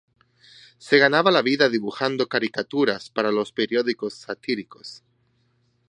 Se ganaba la vida dibujando caricaturas para los periódicos satíricos.